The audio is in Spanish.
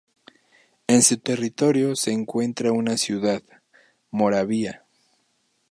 En su territorio se encuentra una ciudad, Moravia.